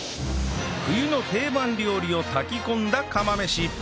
冬の定番料理を炊き込んだ釜飯